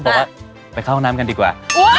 บอกว่าไปเข้าห้องน้ำกันดีกว่า